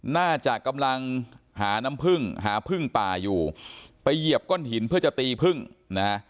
น่าจะกำลังหาน้ำพึ่งหาพึ่งป่าอยู่ไปเหยียบก้อนหินเพื่อจะตีพึ่งนะฮะ